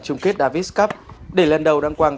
chung kết davis cup để lên đầu đăng quang